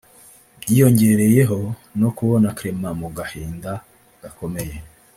byiyongereyeho no kubona Clement mu gahinda gakomeye